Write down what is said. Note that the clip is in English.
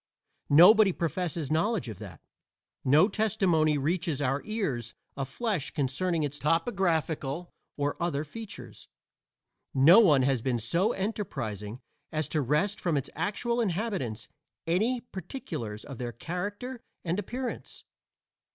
Nobody professes knowledge of that. No testimony reaches our ears of flesh concerning its topographical or other features; no one has been so enterprising as to wrest from its actual inhabitants any particulars of their character and appearance.